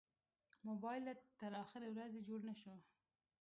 موبایل تر اخرې ورځې جوړ نه شو.